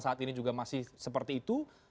saat ini juga masih seperti itu